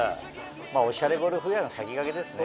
おしゃれゴルフウェアの先駆けですね。